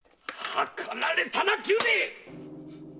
諮られたな久兵衛！